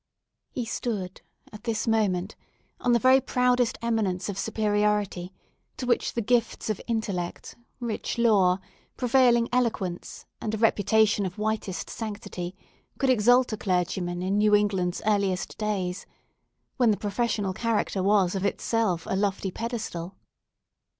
He stood, at this moment, on the very proudest eminence of superiority, to which the gifts or intellect, rich lore, prevailing eloquence, and a reputation of whitest sanctity, could exalt a clergyman in New England's earliest days, when the professional character was of itself a lofty pedestal.